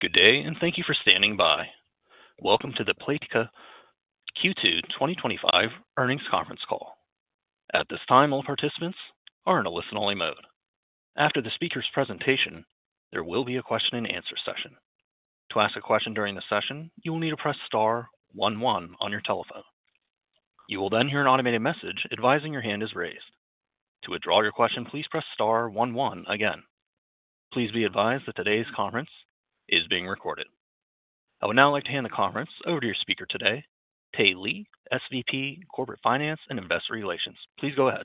Good day, and thank you for standing by. Welcome to the Playtika Q2 2025 Earnings Conference Call. At this time, all participants are in a listen-only mode. After the speaker's presentation, there will be a question-and-answer session. To ask a question during the session, you will need to press *11 on your telephone. You will then hear an automated message advising your hand is raised. To withdraw your question, please press *11 again. Please be advised that today's conference is being recorded. I would now like to hand the conference over to your speaker today, Tae Lee, SVP Corporate Finance and Investor Relations. Please go ahead.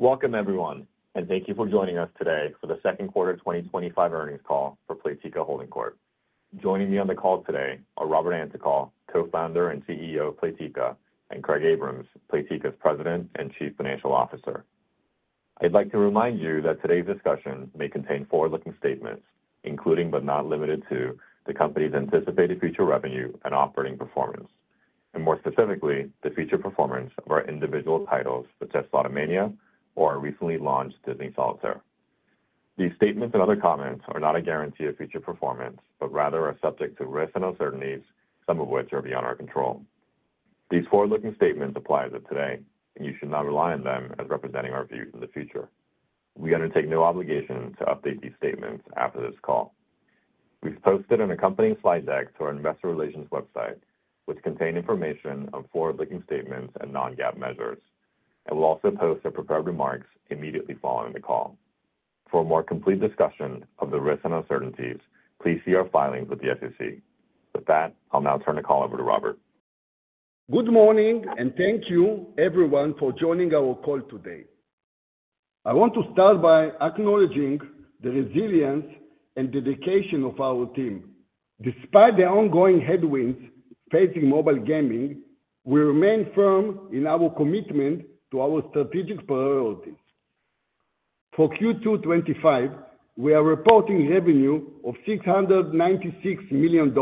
Welcome, everyone, and thank you for joining us today for the second quarter 2025 earnings call for Playtika Holding Corp. Joining me on the call today are Robert Antokol, Co-Founder and CEO of Playtika, and Craig Abrahams, Playtika's President and Chief Financial Officer. I'd like to remind you that today's discussion may contain forward-looking statements, including but not limited to the company's anticipated future revenue and operating performance, and more specifically, the future performance of our individual titles such as Slotomania or our recently launched Disney Solitaire. These statements and other comments are not a guarantee of future performance, but rather are subject to risks and uncertainties, some of which are beyond our control. These forward-looking statements apply as of today, and you should not rely on them as representing our views in the future. We undertake no obligation to update these statements after this call. We've posted an accompanying slide deck to our investor relations website, which contains information on forward-looking statements and non-GAAP measures, and we'll also post our prepared remarks immediately following the call. For a more complete discussion of the risks and uncertainties, please see our filings with the SEC. With that, I'll now turn the call over to Robert. Good morning, and thank you, everyone, for joining our call today. I want to start by acknowledging the resilience and dedication of our team. Despite the ongoing headwinds facing mobile gaming, we remain firm in our commitment to our strategic priority. For Q2 2025, we are reporting revenue of $696 million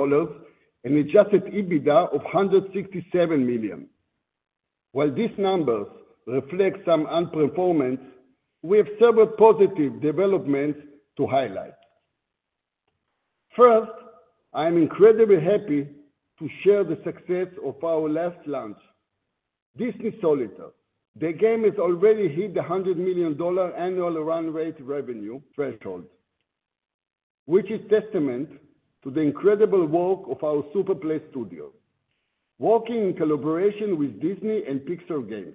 and an adjusted EBITDA of $167 million. While this number reflects some underperformance, we have several positive developments to highlight. First, I am incredibly happy to share the success of our last launch, Disney Solitaire. The game has already hit the $100 million annual run rate revenue threshold, which is a testament to the incredible work of our Super Play Studios, working in collaboration with Disney and Pixar Games.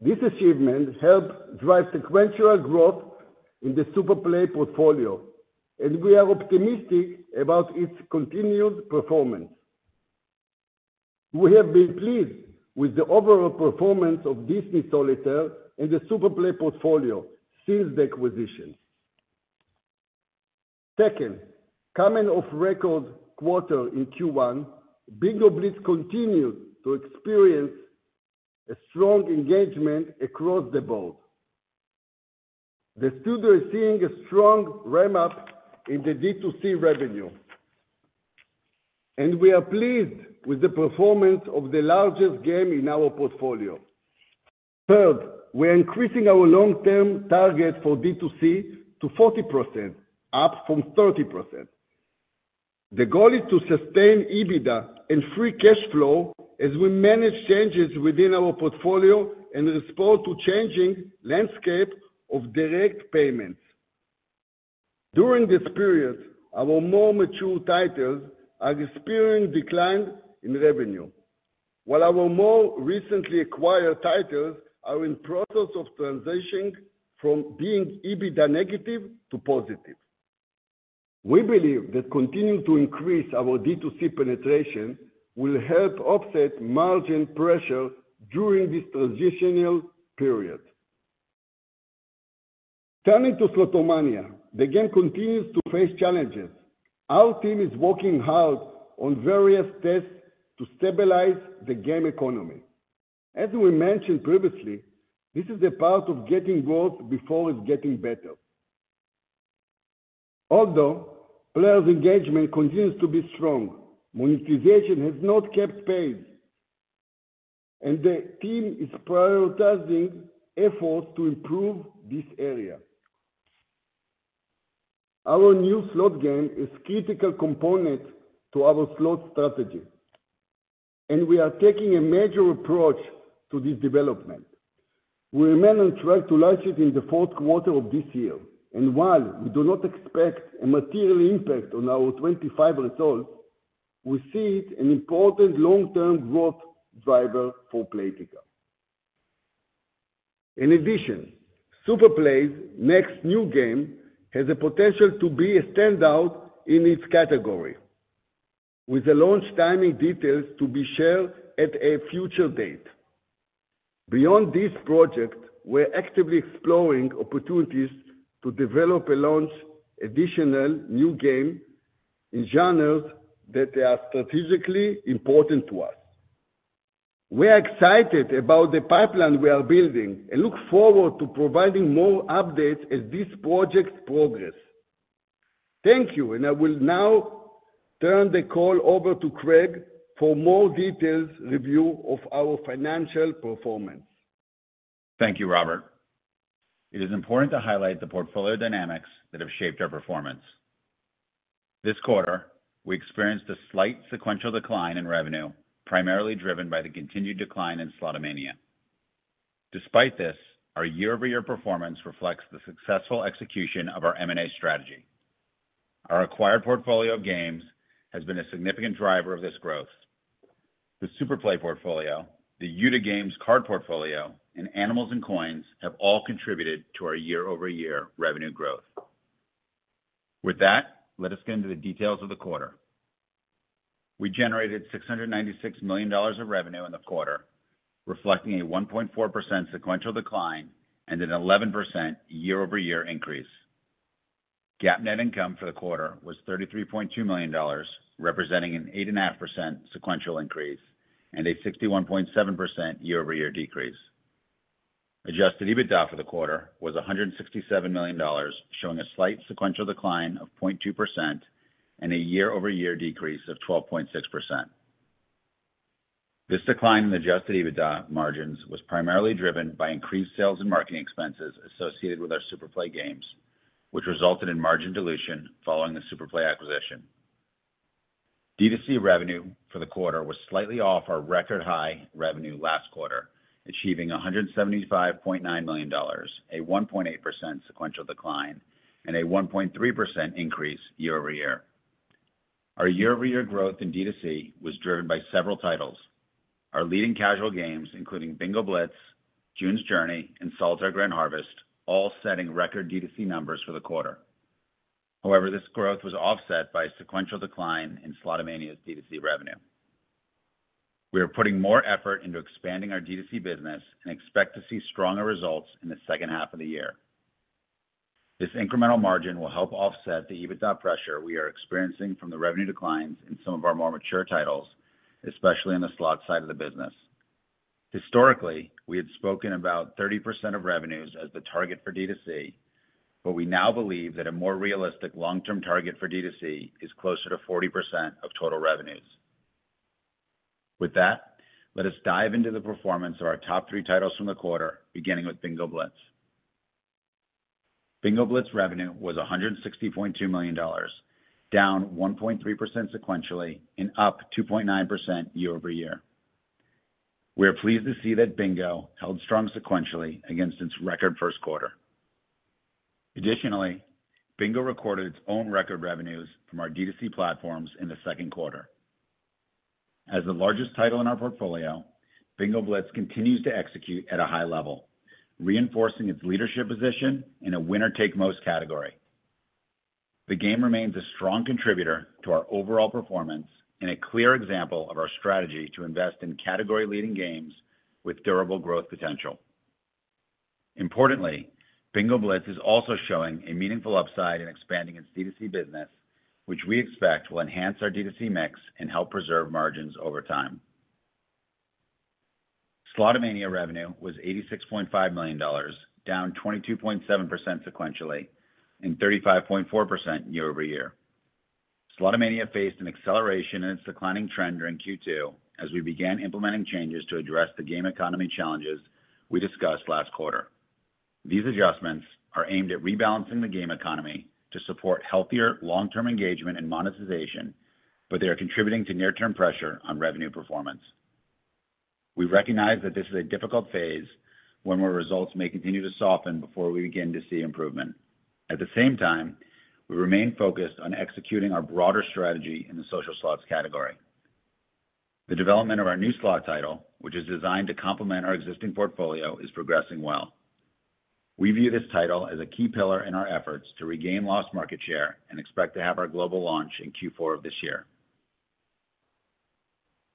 This achievement helps drive sequential growth in the Super Play portfolio, and we are optimistic about its continued performance. We have been pleased with the overall performance of Disney Solitaire and the Super Play portfolio since the acquisition. Second, coming off a record quarter in Q1, Bingo Blitz continues to experience a strong engagement across the board. The studio is seeing a strong ramp-up in the D2C revenue, and we are pleased with the performance of the largest game in our portfolio. Third, we are increasing our long-term target for D2C to 40%, up from 30%. The goal is to sustain EBITDA and free cash flow as we manage changes within our portfolio and respond to the changing landscape of direct payments. During this period, our more mature titles are experiencing declines in revenue, while our more recently acquired titles are in the process of transitioning from being EBITDA negative to positive. We believe that continuing to increase our D2C penetration will help offset margin pressure during this transitional period. Turning to Slotomania, the game continues to face challenges. Our team is working hard on various steps to stabilize the game economy. As we mentioned previously, this is a part of getting growth before it's getting better. Although players' engagement continues to be strong, monetization has not kept pace, and the team is prioritizing efforts to improve this area. Our new slot game is a critical component of our slot strategy, and we are taking a major approach to this development. We remain on track to launch it in the fourth quarter of this year, and while we do not expect a material impact on our 2025 results, we see it as an important long-term growth driver for Playtika. In addition, Super Play's next new game has the potential to be a standout in its category, with the launch timing details to be shared at a future date. Beyond this project, we're actively exploring opportunities to develop and launch additional new games in genres that are strategically important to us. We are excited about the pipeline we are building and look forward to providing more updates as this project progresses. Thank you, and I will now turn the call over to Craig for a more detailed review of our financial performance. Thank you, Robert. It is important to highlight the portfolio dynamics that have shaped our performance. This quarter, we experienced a slight sequential decline in revenue, primarily driven by the continued decline in Slotomania. Despite this, our year-over-year performance reflects the successful execution of our M&A strategy. Our acquired portfolio of games has been a significant driver of this growth. The Super Play portfolio, the Yuta Games card portfolio, and Animals and Coins have all contributed to our year-over-year revenue growth. With that, let us get into the details of the quarter. We generated $696 million of revenue in the quarter, reflecting a 1.4% sequential decline and an 11% year-over-year increase. GAAP net income for the quarter was $33.2 million, representing an 8.5% sequential increase and a 61.7% year-over-year decrease. Adjusted EBITDA for the quarter was $167 million, showing a slight sequential decline of 0.2% and a year-over-year decrease of 12.6%. This decline in adjusted EBITDA margins was primarily driven by increased sales and marketing expenses associated with our Super Play games, which resulted in margin dilution following the Super Play acquisition. D2C revenue for the quarter was slightly off our record high revenue last quarter, achieving $175.9 million, a 1.8% sequential decline, and a 1.3% increase year-over-year. Our year-over-year growth in D2C was driven by several titles. Our leading casual games, including Bingo Blitz, June's Journey, and Solitaire Grand Harvest, all set record D2C numbers for the quarter. However, this growth was offset by a sequential decline in Slotomania's D2C revenue. We are putting more effort into expanding our D2C business and expect to see stronger results in the second half of the year. This incremental margin will help offset the EBITDA pressure we are experiencing from the revenue declines in some of our more mature titles, especially on the slot side of the business. Historically, we had spoken about 30% of revenues as the target for D2C, but we now believe that a more realistic long-term target for D2C is closer to 40% of total revenues. With that, let us dive into the performance of our top three titles from the quarter, beginning with Bingo Blitz. Bingo Blitz revenue was $160.2 million, down 1.3% sequentially, and up 2.9% year-over-year. We are pleased to see that Bingo held strong sequentially against its record first quarter. Additionally, Bingo Blitz recorded its own record revenues from our D2C platforms in the second quarter. As the largest title in our portfolio, Bingo Blitz continues to execute at a high level, reinforcing its leadership position in a winner-take-most category. The game remains a strong contributor to our overall performance and a clear example of our strategy to invest in category-leading games with durable growth potential. Importantly, Bingo Blitz is also showing a meaningful upside in expanding its D2C business, which we expect will enhance our D2C mix and help preserve margins over time. Slotomania revenue was $86.5 million, down 22.7% sequentially, and 35.4% year-over-year. Slotomania faced an acceleration in its declining trend during Q2 as we began implementing changes to address the game economy challenges we discussed last quarter. These adjustments are aimed at rebalancing the game economy to support healthier long-term engagement and monetization, but they are contributing to near-term pressure on revenue performance. We recognize that this is a difficult phase when results may continue to soften before we begin to see improvement. At the same time, we remain focused on executing our broader strategy in the social slots category. The development of our new slot title, which is designed to complement our existing portfolio, is progressing well. We view this title as a key pillar in our efforts to regain lost market share and expect to have our global launch in Q4 of this year.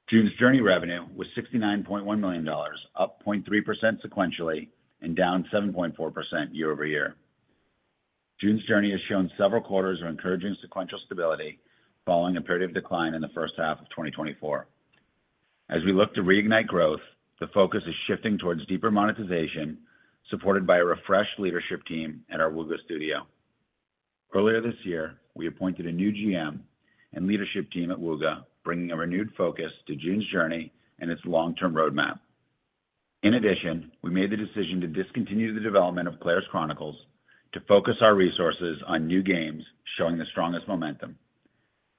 June's Journey revenue was $69.1 million, up 0.3% sequentially, and down 7.4% year-over-year. June's Journey has shown several quarters of encouraging sequential stability following a period of decline in the first half of 2024. As we look to reignite growth, the focus is shifting towards deeper monetization, supported by a refreshed leadership team at our Wooga studio. Earlier this year, we appointed a new GM and leadership team at Wooga, bringing a renewed focus to June's Journey and its long-term roadmap. In addition, we made the decision to discontinue the development of Player's Chronicles to focus our resources on new games showing the strongest momentum.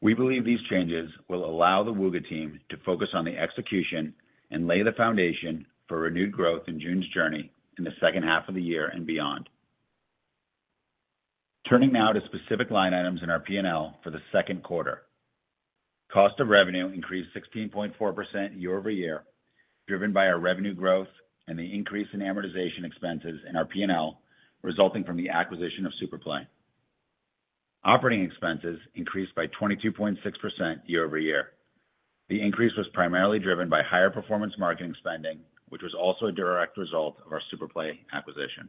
We believe these changes will allow the Wooga team to focus on the execution and lay the foundation for renewed growth in June's Journey in the second half of the year and beyond. Turning now to specific line items in our P&L for the second quarter. Cost of revenue increased 16.4% year-over-year, driven by our revenue growth and the increase in amortization expenses in our P&L resulting from the acquisition of Super Play. Operating expenses increased by 22.6% year-over-year. The increase was primarily driven by higher performance marketing spending, which was also a direct result of our Super Play acquisition.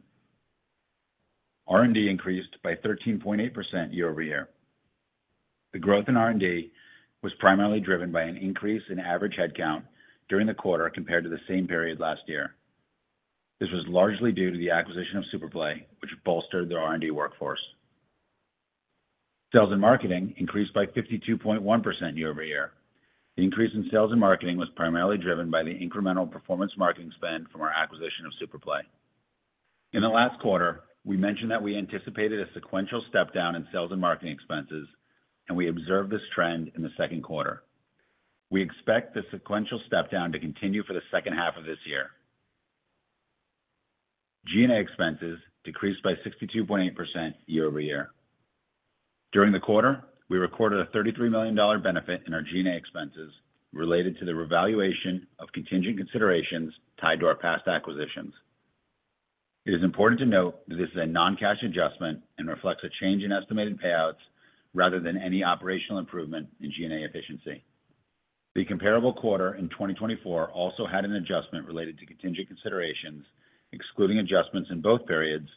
R&D increased by 13.8% year-over-year. The growth in R&D was primarily driven by an increase in average headcount during the quarter compared to the same period last year. This was largely due to the acquisition of Super Play, which bolstered the R&D workforce. Sales and marketing increased by 52.1% year-over-year. The increase in sales and marketing was primarily driven by the incremental performance marketing spend from our acquisition of Super Play. In the last quarter, we mentioned that we anticipated a sequential step-down in sales and marketing expenses, and we observed this trend in the second quarter. We expect the sequential step-down to continue for the second half of this year. G&A expenses decreased by 62.8% year-over-year. During the quarter, we recorded a $33 million benefit in our G&A expenses related to the revaluation of contingent considerations tied to our past acquisitions. It is important to note that this is a non-cash adjustment and reflects a change in estimated payouts rather than any operational improvement in G&A efficiency. The comparable quarter in 2024 also had an adjustment related to contingent considerations, excluding adjustments in both periods.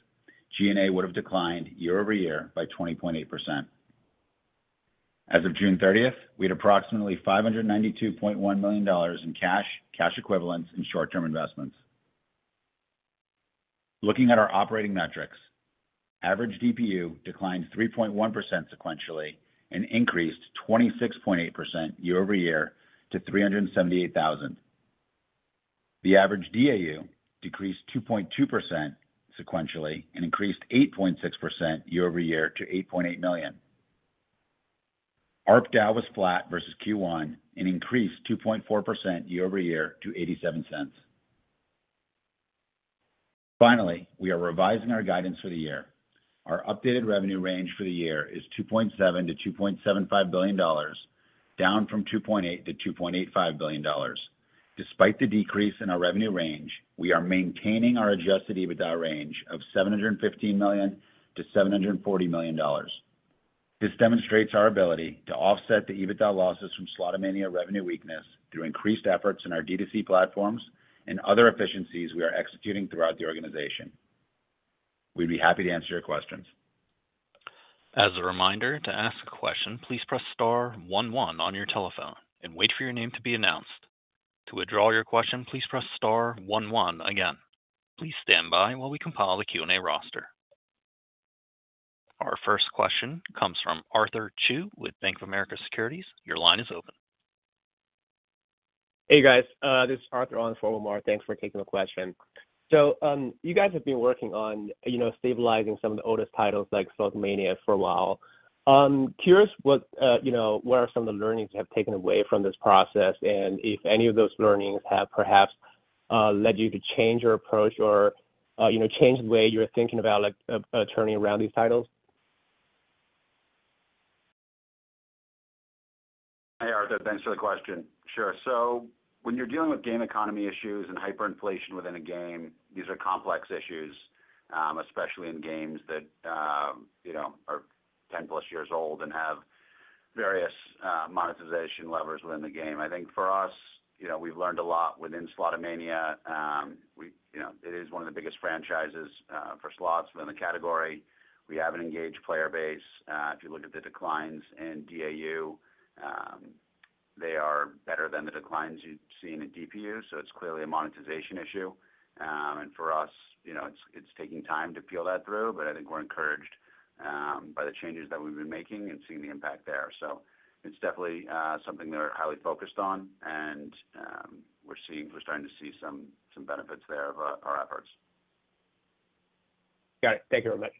G&A would have declined year-over-year by 20.8%. As of June 30th, we had approximately $592.1 million in cash, cash equivalents, and short-term investments. Looking at our operating metrics, average DPU declined 3.1% sequentially and increased 26.8% year-over-year to 378,000. The average DAU decreased 2.2% sequentially and increased 8.6% year-over-year to 8.8 million. ARP DAU was flat versus Q1 and increased 2.4% year-over-year to $0.87. Finally, we are revising our guidance for the year. Our updated revenue range for the year is $2.7 billion-$2.75 billion, down from $2.8 billion-$2.85 billion. Despite the decrease in our revenue range, we are maintaining our adjusted EBITDA range of $715 million-$740 million. This demonstrates our ability to offset the EBITDA losses from Slotomania revenue weakness through increased efforts in our D2C platforms and other efficiencies we are executing throughout the organization. We'd be happy to answer your questions. As a reminder, to ask a question, please press *11 on your telephone and wait for your name to be announced. To withdraw your question, please press *11 again. Please stand by while we compile the Q&A roster. Our first question comes from Arthur Chu with Bank of America Securities. Your line is open. Hey, guys. This is Arthur on for [Omar]. Thanks for taking the question. You guys have been working on, you know, stabilizing some of the oldest titles like Slotomania for a while. I'm curious what, you know, what are some of the learnings you have taken away from this process, and if any of those learnings have perhaps led you to change your approach or, you know, change the way you're thinking about, like, turning around these titles? Hey, Arthur, thanks for the question. When you're dealing with game economy issues and hyperinflation within a game, these are complex issues, especially in games that are 10+ years old and have various monetization levers within the game. I think for us, we've learned a lot within Slotomania. It is one of the biggest franchises for slots within the category. We have an engaged player base. If you look at the declines in DAU, they are better than the declines you've seen in DPU, so it's clearly a monetization issue. For us, it's taking time to peel that through, but I think we're encouraged by the changes that we've been making and seeing the impact there. It's definitely something they're highly focused on, and we're starting to see some benefits there of our efforts. Got it. Thank you very much.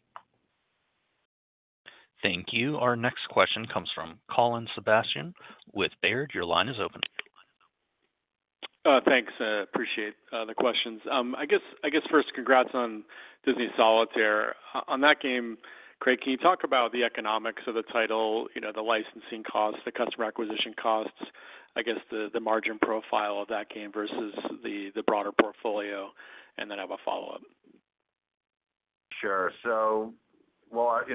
Thank you. Our next question comes from Colin Sebastian with Robert W. Baird & Co. Incorporated. Your line is open. Thanks. Appreciate the questions. First, congrats on Disney Solitaire. On that game, Craig, can you talk about the economics of the title, you know, the licensing costs, the customer acquisition costs, the margin profile of that game versus the broader portfolio, and then have a follow-up? Sure.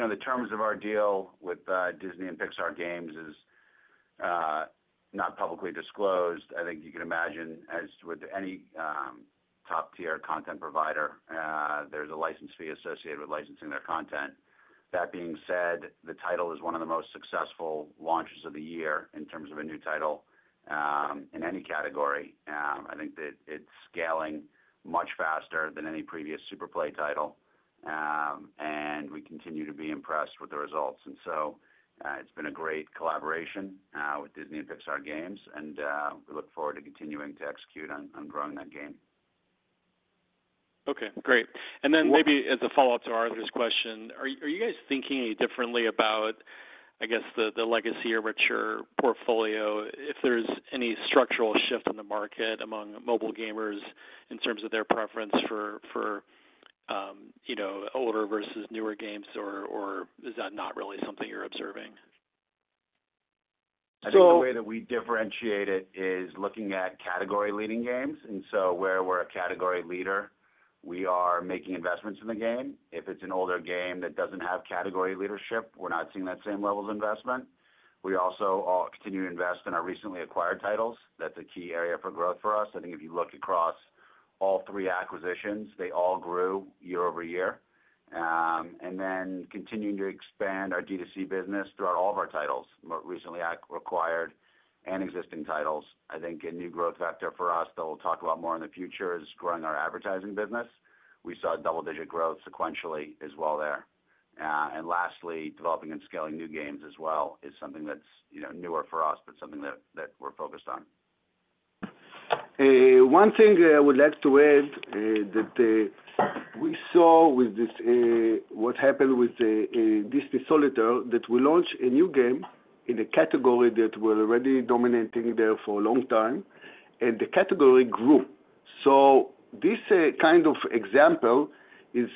The terms of our deal with Disney and Pixar Games is not publicly disclosed. I think you can imagine, as with any top-tier content provider, there's a license fee associated with licensing their content. That being said, the title is one of the most successful launches of the year in terms of a new title in any category. I think that it's scaling much faster than any previous Super Play title, and we continue to be impressed with the results. It's been a great collaboration with Disney and Pixar Games, and we look forward to continuing to execute on growing that game. Okay, great. Maybe as a follow-up to Arthur's question, are you guys thinking differently about, I guess, the legacy or mature portfolio if there's any structural shift in the market among mobile gamers in terms of their preference for, you know, older versus newer games, or is that not really something you're observing? I think the way that we differentiate it is looking at category-leading games. Where we're a category leader, we are making investments in the game. If it's an older game that doesn't have category leadership, we're not seeing that same level of investment. We also continue to invest in our recently acquired titles. That's a key area for growth for us. I think if you look across all three acquisitions, they all grew year over year. Continuing to expand our D2C business throughout all of our titles, recently acquired and existing titles, is important. I think a new growth vector for us that we'll talk about more in the future is growing our advertising business. We saw double-digit growth sequentially as well there. Lastly, developing and scaling new games as well is something that's newer for us, but something that we're focused on. One thing I would like to add is that we saw with this, what happened with Disney Solitaire, that we launched a new game in a category that was already dominating there for a long time, and the category grew. This kind of example is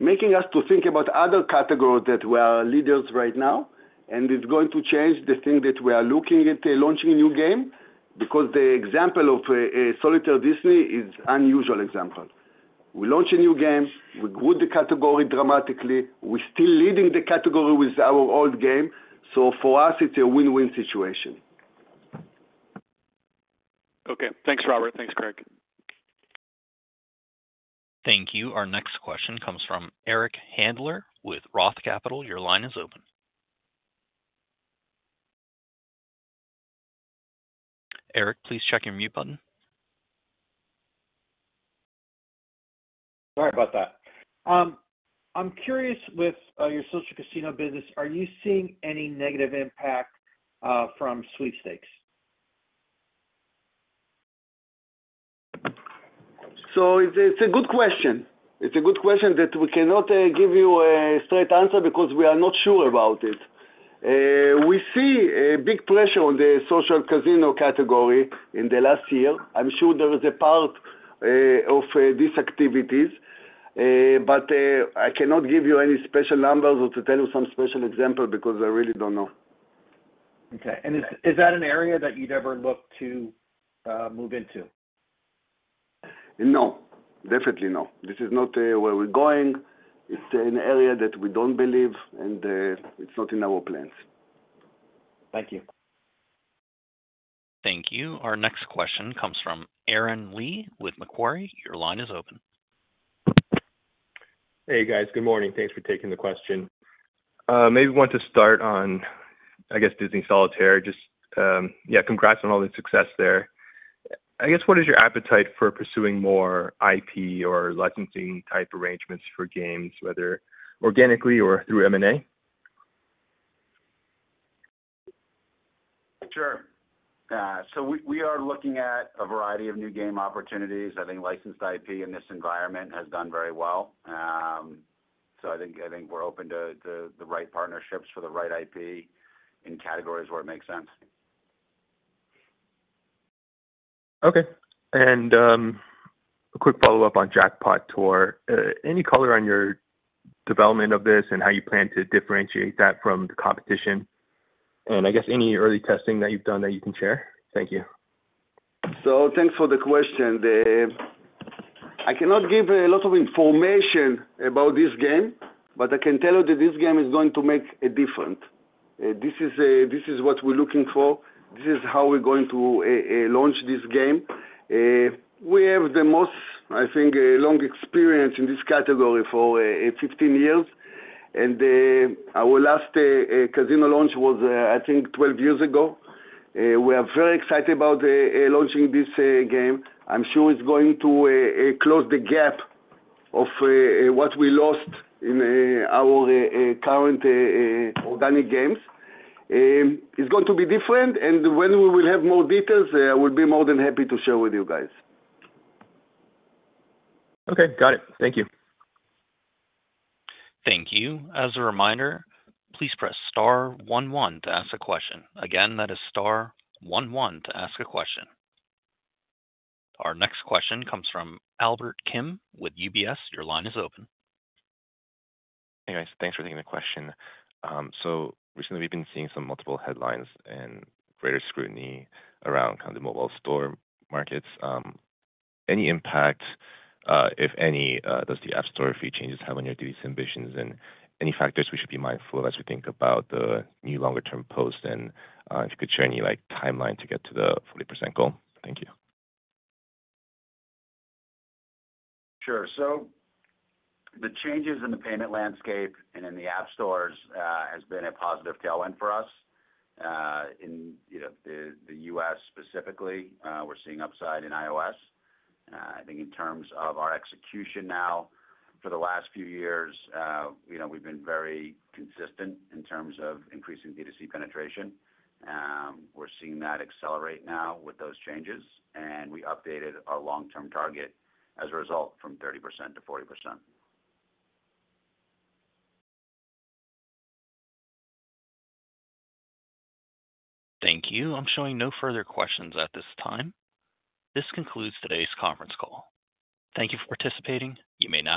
making us think about other categories that are leaders right now, and it's going to change the thing that we are looking at launching a new game because the example of Disney Solitaire is an unusual example. We launched a new game, we grew the category dramatically, we're still leading the category with our old game. For us, it's a win-win situation. Okay. Thanks, Robert. Thanks, Craig. Thank you. Our next question comes from Eric Handler with ROTH Capital. Your line is open. Eric, please check your mute button. Sorry about that. I'm curious, with your social casino business, are you seeing any negative impact from sweepstakes? It's a good question that we cannot give you a straight answer because we are not sure about it. We see a big pressure on the social casino category in the last year. I'm sure there is a part of these activities, but I cannot give you any special numbers or tell you some special examples because I really don't know. Okay. Is that an area that you'd ever look to move into? No, definitely no. This is not where we're going. It's an area that we don't believe in, and it's not in our plans. Thank you. Thank you. Our next question comes from Aaron Lee with Macquarie. Your line is open. Hey, guys. Good morning. Thanks for taking the question. Maybe we want to start on, I guess, Disney Solitaire. Congrats on all the success there. I guess, what is your appetite for pursuing more IP or licensing-type arrangements for games, whether organically or through M&A? Sure. We are looking at a variety of new game opportunities. I think licensed IP in this environment has done very well. I think we're open to the right partnerships for the right IP in categories where it makes sense. Okay. A quick follow-up on Jackpot Tour. Any color on your development of this and how you plan to differentiate that from the competition? I guess, any early testing that you've done that you can share? Thank you. Thank you for the question. I cannot give a lot of information about this game, but I can tell you that this game is going to make a difference. This is what we're looking for. This is how we're going to launch this game. We have the most, I think, long experience in this category for 15 years, and our last casino launch was, I think, 12 years ago. We are very excited about launching this game. I'm sure it's going to close the gap of what we lost in our current organic games. It's going to be different, and when we have more details, I will be more than happy to share with you guys. Okay. Got it. Thank you. Thank you. As a reminder, please press *11 to ask a question. Again, that is *11 to ask a question. Our next question comes from Albert Kim with UBS. Your line is open. Hey, guys. Thanks for taking the question. Recently, we've been seeing some multiple headlines and greater scrutiny around kind of the mobile store markets. Any impact, if any, does the App Store fee changes have on your D2C ambitions? Any factors we should be mindful of as we think about the new longer-term post? If you could share any, like, timeline to get to the 40% goal. Thank you. Sure. The changes in the payment landscape and in the App Stores have been a positive tailwind for us. In the U.S. specifically, we're seeing upside in iOS. I think in terms of our execution now for the last few years, we've been very consistent in terms of increasing D2C penetration. We're seeing that accelerate now with those changes, and we updated our long-term target as a result from 30%-40%. Thank you. I'm showing no further questions at this time. This concludes today's conference call. Thank you for participating. You may now disconnect.